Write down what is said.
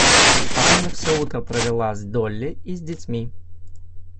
Анна всё утро провела с Долли и с детьми.